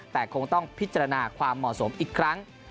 แต่คงต้องพิจารณาความเหมาะสมอีกครั้ง